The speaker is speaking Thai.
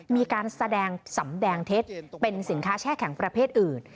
มีการแสดงสำแดงเท็จเป็นสินค้าแช่แข็งประเภทอื่น